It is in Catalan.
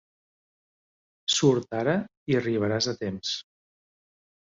Surt ara i arribaràs a temps.